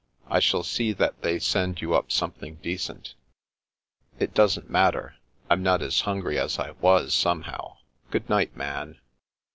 I shall see that they send you up something decent." " It doesn't matter. I'm not as hungry as I was, somehow. Good night, Man."